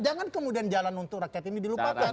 jangan kemudian jalan untuk rakyat ini dilupakan